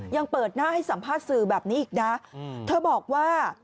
ยังเปิดหน้าให้สัมภาษณ์สื่อแบบนี้อีกนะ